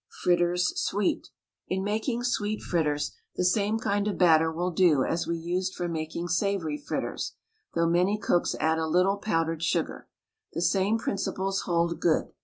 FRITTERS, SWEET. In making sweet fritters, the same kind of batter will do as we used for making savoury fritters, though many cooks add a little powdered sugar. The same principles hold good.